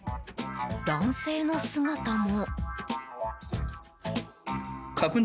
男性の姿も。